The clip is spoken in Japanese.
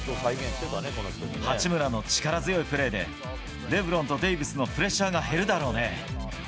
八村の力強いプレーで、レブロンとデイビスのプレッシャーが減るだろうね。